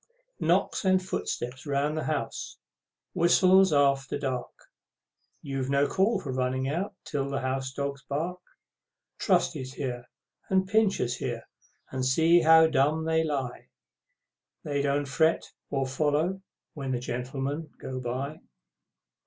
Knocks and footsteps round the house, whistles after dark, You've no call for running out till the house dogs bark. Trusty's here, and Pincher's here, and see how dumb they lie, They don't fret to follow when the Gentlemen go by!